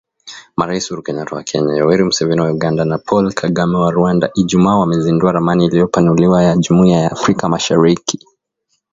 Marais Uhuru Kenyata wa Kenya, Yoweri Museveni wa Uganda, na Paul Kagame wa Rwanda Ijumaa wamezindua ramani iliyopanuliwa ya Jumuiya ya Afrika Mashariki